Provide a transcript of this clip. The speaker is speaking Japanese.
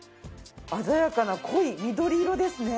鮮やかな濃い緑色ですね。